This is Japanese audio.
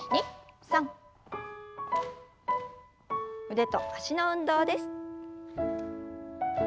腕と脚の運動です。